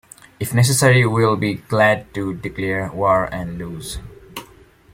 If necessary, we will be glad to declare war and lose.